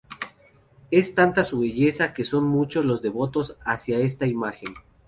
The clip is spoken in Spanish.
Es tanta su belleza que son muchos los devotos hacia esta imagen.